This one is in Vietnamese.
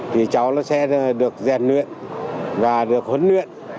thì cháu nó sẽ được rèn luyện và được huấn luyện